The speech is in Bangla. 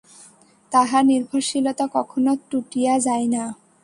তাহার নির্ভরশীলতা কখনো টুটিয়া যায় না।